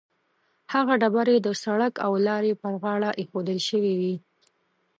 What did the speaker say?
هغه ډبرې د سړک او لارې پر غاړه ایښودل شوې وي.